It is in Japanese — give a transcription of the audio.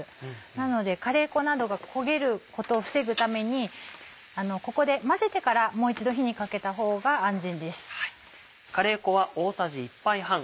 なのでカレー粉などが焦げることを防ぐためにここで混ぜてからもう一度火にかけた方が安全です。